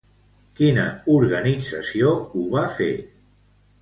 Quina organització ho va fer?